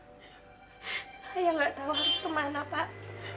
saya nggak tahu harus kemana pak